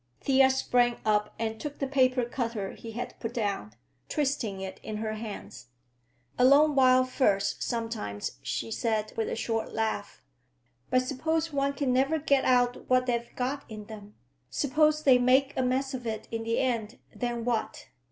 Thea sprang up and took the paper cutter he had put down, twisting it in her hands. "A long while first, sometimes," she said with a short laugh. "But suppose one can never get out what they've got in them? Suppose they make a mess of it in the end; then what?"